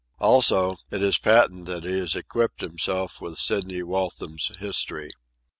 Also, it is patent that he has equipped himself with Sidney Waltham's history.